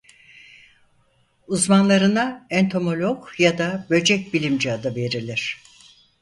Uzmanlarına entomolog ya da böcek bilimci adı verilir.